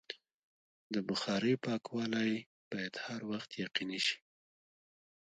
د بخارۍ پاکوالی باید هر وخت یقیني شي.